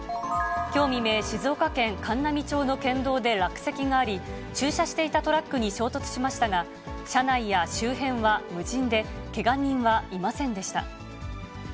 きょう未明、静岡県函南町の県道で落石があり、駐車していたトラックに衝突しましたが、車内や周辺は無人で、けが人はいませんでした。